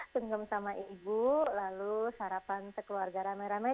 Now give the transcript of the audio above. sungkem sama ibu lalu sarapan sekeluarga ramai ramai